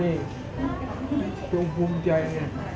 นี่นี่ต้องภูมิใจนะ